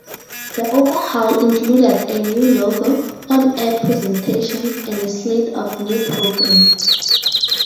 The overhaul included a new logo, on-air presentation, and a slate of new programming.